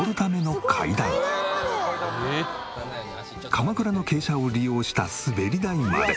かまくらの傾斜を利用した滑り台まで。